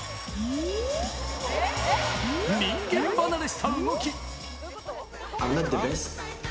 人間離れした動き。